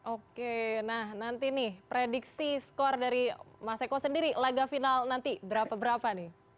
oke nah nanti nih prediksi skor dari mas eko sendiri laga final nanti berapa berapa nih